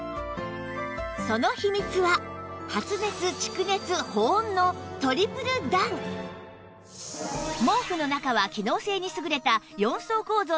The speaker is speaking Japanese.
その秘密は毛布の中は機能性に優れた４層構造になっています